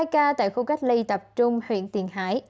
hai ca tại khu cách ly tập trung huyện tiền hải